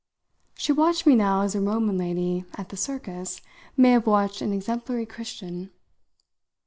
She watched me now as a Roman lady at the circus may have watched an exemplary Christian.